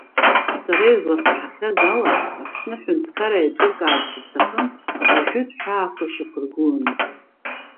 Сара изласаҳахьаз ала, Аԥсны аҳәынҭқарра еиҿыркаарц рҭахын, ажәытә ҳәаақәа шьақәыргыланы.